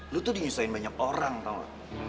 lo tuh di nyusahin banyak orang tau